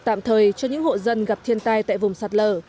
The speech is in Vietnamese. tạm thời cho những hộ dân gặp thiên tai tại vùng sạt lở